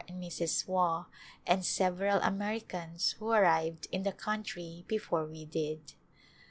and Mrs. Waugh, and several Americans who arrived in the country before we did.